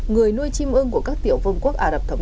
người nuôi chim ưng của các tiểu vương quốc ả rập thống